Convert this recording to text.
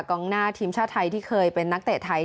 กองหน้าทีมชาติไทยที่เคยเป็นนักเตะไทย